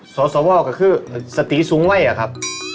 สสวก็คือสติสูงไว่หรือครับ